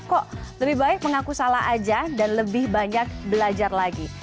kok lebih baik mengaku salah aja dan lebih banyak belajar lagi